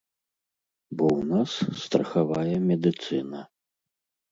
Бо ў нас страхавая медыцына.